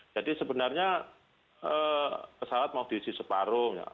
jadi sebenarnya pesawat mau diisi separoh ya